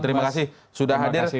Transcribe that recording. terima kasih sudah hadir